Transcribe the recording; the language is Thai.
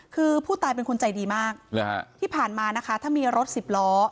คือผู้ตายเป็นคนใจดีมากที่ผ่านมานะคะถ้ามีรถสิบล้อ